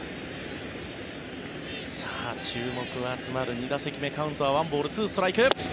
さあ、注目が集まる２打席目カウントは１ボール２ストライク。